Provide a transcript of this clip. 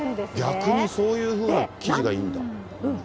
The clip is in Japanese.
逆にそういうふうな生地がいいんだ。